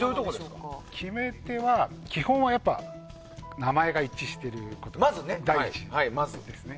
決め手は、基本はやっぱり名前が一致していることが第一ですね。